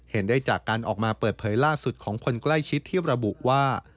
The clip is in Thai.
เห็นได้จากการออกมาเปิดเผยล่าสุดของคนใกล้ชิดที่ระบุว่า